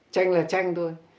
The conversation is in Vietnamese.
chanh là tranh thôi